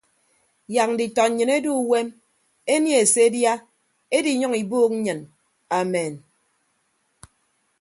Yak nditọ nnyịn edu uwem enie se edia ediiyʌñ ibuuk nnyịn amen.